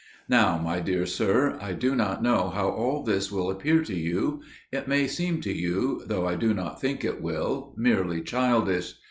"Now, my dear sir, I do not know how all this will appear to you; it may seem to you, though I do not think it will, merely childish.